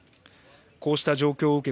こうした状況を受け